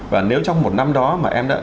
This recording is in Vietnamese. và nếu trong một năm đó mà em đã